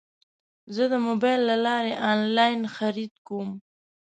زه د موبایل له لارې انلاین خرید کوم.